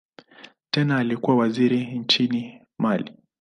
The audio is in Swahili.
Tena alikuwa waziri nchini Mali.